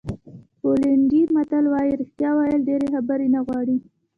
پولنډي متل وایي رښتیا ویل ډېرې خبرې نه غواړي.